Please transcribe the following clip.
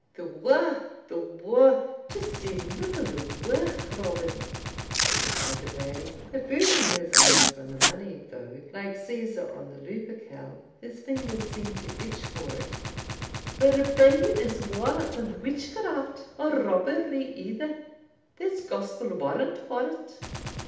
"The waur, the waur just sae muckle the waur, Robin," replied the Bailie, averting his eyes from the money, though, like Caesar on the Lupercal, his fingers seemed to itch for it "Rebellion is waur than witchcraft, or robbery either; there's gospel warrant for't."